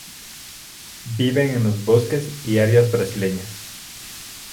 Vive en los bosques y áreas ribereñas.